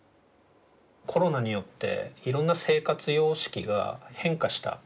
コロナによっていろんな生活様式が変化した。